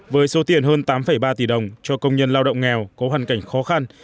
với số tiền hơn tám ba tỷ đồng cho công nhân lao động nghèo có hoàn cảnh khó khăn